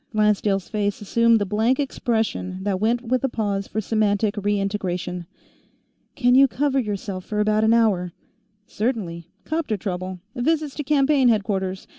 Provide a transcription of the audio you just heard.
Lancedale's face assumed the blank expression that went with a pause for semantic re integration. "Can you cover yourself for about an hour?" "Certainly. 'Copter trouble. Visits to campaign headquarters.